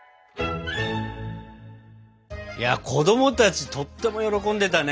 子どもたちとっても喜んでたね！